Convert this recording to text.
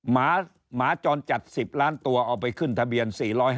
หมาจรจัด๑๐ล้านตัวเอาไปขึ้นทะเบียน๔๕